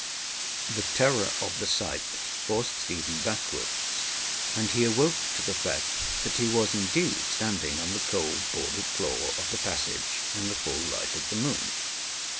The terror of the sight forced Stephen backwards, and he awoke to the fact that he was indeed standing on the cold boarded floor of the passage in the full light of the moon.